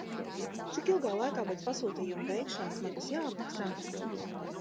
Cik ilgā laikā pēc pasūtījuma veikšanas man tas jāapmaksā?